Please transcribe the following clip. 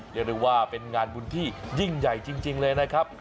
เรียกได้ว่าเป็นงานบุญที่ยิ่งใหญ่จริงเลยนะครับ